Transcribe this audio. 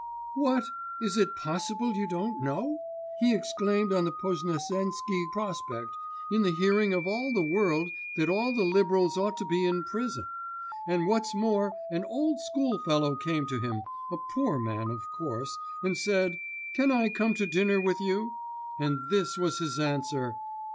'What? Is it possible you don't know? He exclaimed on the Poznesensky Prospect in the hearing of all the world that all the liberals ought to be in prison; and what's more, an old schoolfellow came to him, a poor man of course, and said, "Can I come to dinner with you?" And this was his answer.